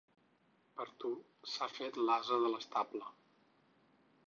Per tu s'ha fet l'ase de l'estable.